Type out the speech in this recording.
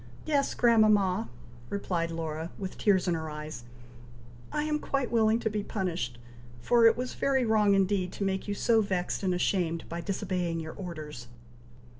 "Yes, grandmama," replied Laura, with tears in her eyes, "I am quite willing to be punished, for it was very wrong indeed to make you so vexed and ashamed, by disobeying your orders."